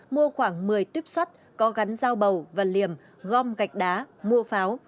mua khoảng một mươi tuyếp sắt có gắn dao bầu và liềm gom gạch đá mua pháo